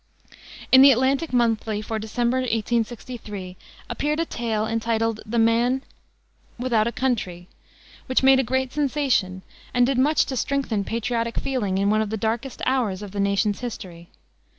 In the Atlantic Monthly for December, 1863, appeared a tale entitled the Man Without a Country, which made a great sensation, and did much to strengthen patriotic feeling in one of the darkest hours of the nation's history.